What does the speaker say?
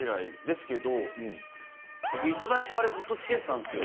僕いただいたあれずっと付けてたんですよ